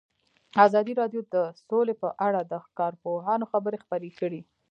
ازادي راډیو د سوله په اړه د کارپوهانو خبرې خپرې کړي.